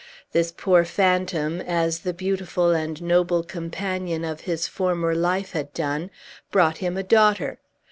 This poor phantom as the beautiful and noble companion of his former life had done brought him a daughter.